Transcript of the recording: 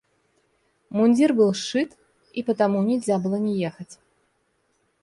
Мундир был сшит, и потому нельзя было не ехать.